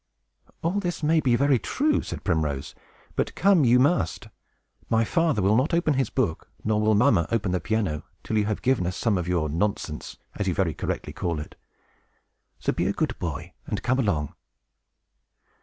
"All this may be very true," said Primrose, "but come you must! My father will not open his book, nor will mamma open the piano, till you have given us some of your nonsense, as you very correctly call it. So be a good boy, and come along."